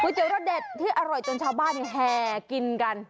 เตี๋รสเด็ดที่อร่อยจนชาวบ้านแห่กินกัน